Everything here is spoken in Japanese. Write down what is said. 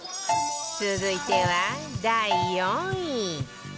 続いては第４位